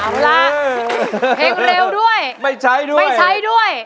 เพลงเร็วด้วยไม่ใช่ด้วย